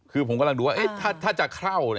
คือผมกำลังดูว่าถ้าจะเข้า